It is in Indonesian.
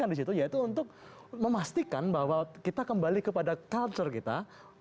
yang terpenting di situ ya itu untuk memastikan bahwa kita kembali kepada culture kita